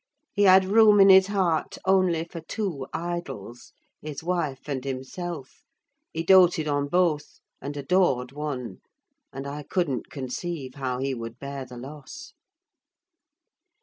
He had room in his heart only for two idols—his wife and himself: he doted on both, and adored one, and I couldn't conceive how he would bear the loss.